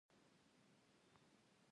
د قرغې اوبه پاکې دي